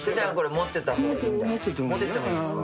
持っててもいいですか。